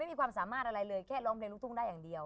มีความสามารถอะไรเลยแค่ร้องเพลงลูกทุ่งได้อย่างเดียว